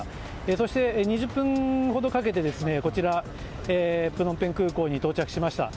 そして２０分ほどかけてこちらのプノンペン空港に到着しました。